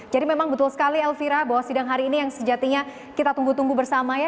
memang betul sekali elvira bahwa sidang hari ini yang sejatinya kita tunggu tunggu bersama ya